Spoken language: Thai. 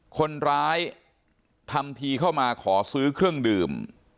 คนร้ายทำทีเข้ามาขอซื้อเครื่องดื่ม